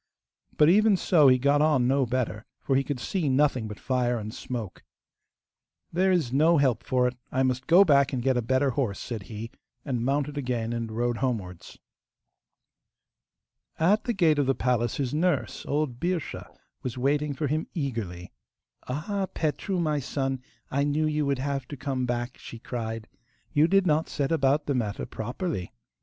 But even so he got on no better, for he could see nothing but fire and smoke. 'There is no help for it; I must go back and get a better horse,' said he, and mounted again and rode homewards. At the gate of the palace his nurse, old Birscha, was waiting for him eagerly. 'Ah, Petru, my son, I knew you would have to come back,' she cried. 'You did not set about the matter properly.